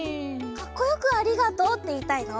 かっこよく「ありがとう」っていいたいの？